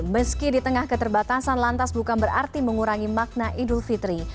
meski di tengah keterbatasan lantas bukan berarti mengurangi makna idul fitri